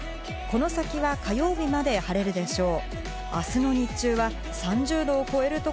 この先は火曜日まで晴れるでしょう。